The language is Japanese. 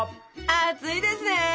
熱いですね！